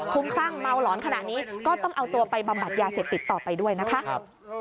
คุ้มคลั่งเมาหลอนขนาดนี้ก็ต้องเอาตัวไปบำบัดยาเสพติดต่อไปด้วยนะคะ